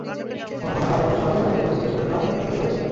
ঘটনাটা প্রায় দুবছর আগের, আলী তখন তৃতীয় স্তরের ক্লাব এমকে ডনসে।